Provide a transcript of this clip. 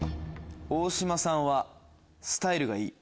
大島さんはスタイルがいい。